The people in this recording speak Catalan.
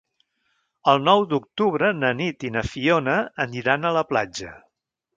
El nou d'octubre na Nit i na Fiona aniran a la platja.